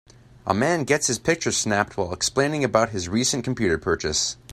A man gets his picture snapped while explaining about his recent computer purchase.